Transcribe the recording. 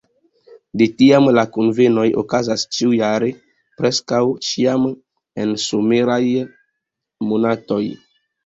De tiam la kunvenoj okazas ĉiujare, preskaŭ ĉiam en someraj monatoj.